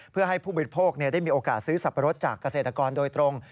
เพื่อให้ผู้บริโภคได้มีโอกาสซื้อสับปะรดจากเกษตรกรโดยตรง